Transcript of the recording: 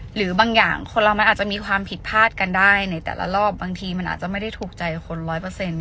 หรือบางอย่างคนเรามันอาจจะมีความผิดพลาดกันได้ในแต่ละรอบบางทีมันอาจจะไม่ได้ถูกใจคนร้อยเปอร์เซ็นต์